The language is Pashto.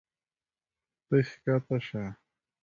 ته ښکته شه.